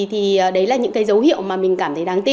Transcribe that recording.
thì đấy là những cái dấu hiệu mà mình cảm thấy đáng tin